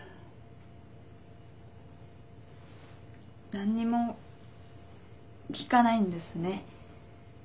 何にも聞かないんですね。